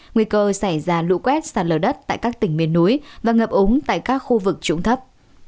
nguy cơ xảy ra lũ quét sạt lờ đất tại các tỉnh miền núi và ngập ống tại các khu vực trụng thấp